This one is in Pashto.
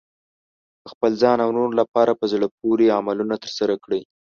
د خپل ځان او نورو لپاره په زړه پورې عملونه ترسره کړئ.